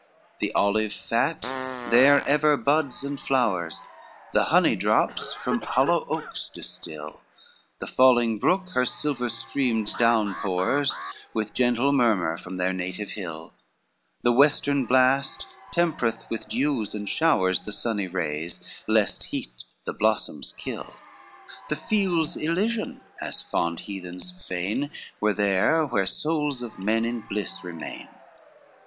XXXVI The olive fat there ever buds and flowers, The honey drops from hollow oaks distil, The falling brook her silver streams downpours With gentle murmur from their native hill, The western blast tempereth with dews and showers The sunny rays, lest heat the blossoms kill, The fields Elysian, as fond heathen sain, Were there, where souls of men in bliss remain.